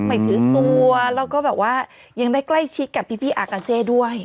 ไม่ถือตัวแล้วก็แบบว่ายังได้ใกล้ชิดกับพี่อากาเซด้วย